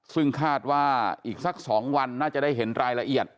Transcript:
ซึ่งคาดว่าอีกสัก๒วันน่าจะได้เห็นรายละเอียด